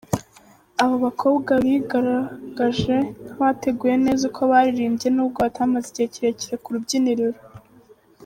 Aba bakobwa bigaragaje nk’abateguye neza uko baririmbye nubwo batamaze igihe kirekire ku rubyiniro.